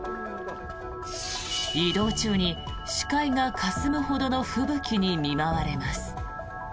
移動中に視界がかすむほどの吹雪に見舞われます。